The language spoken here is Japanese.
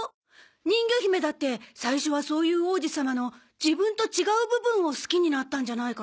人魚姫だって最初はそういう王子様の自分と違う部分を好きになったんじゃないかなあ。